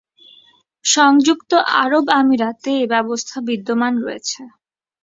সংযুক্ত আরব আমিরাতে এই ব্যবস্থা বিদ্যমান রয়েছে।